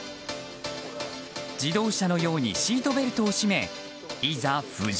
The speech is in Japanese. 自動車のようにシートベルトを締め、いざ浮上。